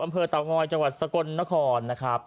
เตางอยจังหวัดสกลนครนะครับ